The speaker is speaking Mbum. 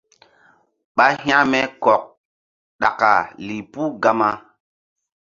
Ɓa hȩkme kɔk ɗaka lih puh Gama.